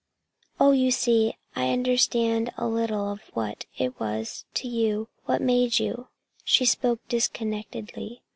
Oh, you see, I understand a little of what it was to you what made you " She spoke disconnectedly.